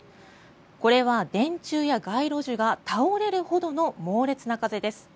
これは電柱や街路樹が倒れるほどの猛烈な風です。